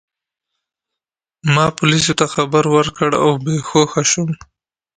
ما پولیسو ته خبر ورکړ او بې هوښه شوم.